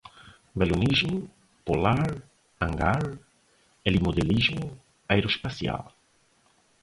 balonismo, polar, hangar, helimodelismo, aeroespacial